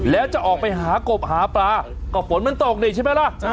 แล้วจะออกไปหากบหาปลาก็ฝนมันตกนี่ใช่ไหมล่ะ